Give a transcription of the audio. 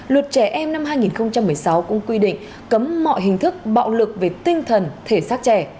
luật trẻ em năm hai nghìn một mươi sáu cũng quy định cấm mọi hình thức bạo lực về tinh thần thể xác trẻ